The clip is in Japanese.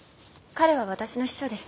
彼は私の秘書です。